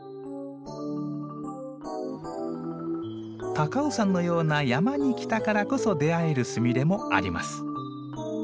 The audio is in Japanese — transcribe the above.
高尾山のような山に来たからこそ出会えるスミレもあります。